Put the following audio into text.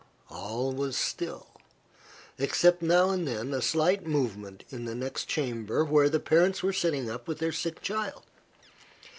All was still, except now and then a slight movement in the next chamber, where the parents were sitting up with their sick child.